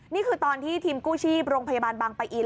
นี่คือตอนที่ทีมกู้ชีพโรงพยาบาลบางปะอิน